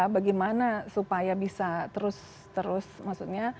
jadi itu juga adalah bagaimana supaya bisa terus terus maksudnya